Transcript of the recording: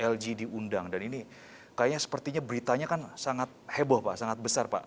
lg diundang dan ini kayaknya sepertinya beritanya kan sangat heboh pak sangat besar pak